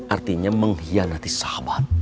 artinya mengkhianati sahabat